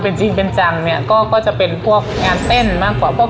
เป็นจริงเป็นจังเนี่ยก็จะเป็นพวกงานเต้นมากกว่าพวก